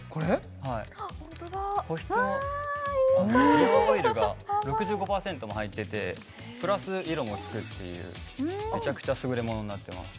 美容オイルが６５％も入っててプラス色もつくっていうメチャクチャ優れものになってます